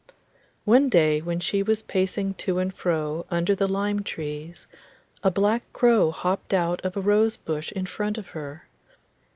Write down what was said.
One day when she was pacing to and fro under the lime trees, a black crow hopped out of a rose bush in front of her.